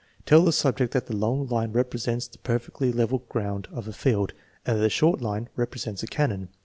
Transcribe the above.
Tell the subject that the long line represents the per fectly level ground of a field, and that the short line repre sents a cannon.